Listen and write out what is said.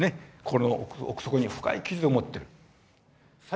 心の奥底に深い傷を持ってる。